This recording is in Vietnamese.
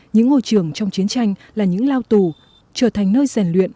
những ngôi trường trong chiến tranh là những lao tù trở thành nơi rèn luyện